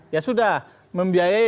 ya sudah membiayai